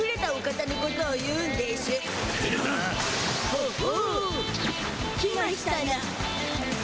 ほほう来ましゅたな。